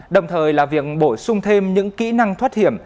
đồng thời là việc bổ sung thêm những kỹ năng thoát hiểm